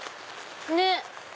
ねっ。